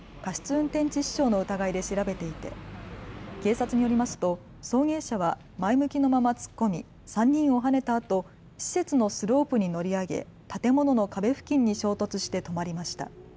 運転致死傷の疑いで調べていて警察によりますと送迎車は前向きのまま突っ込み３人をはねたあと施設のスロープに乗り上げ建物の壁付近に衝突して止まりました。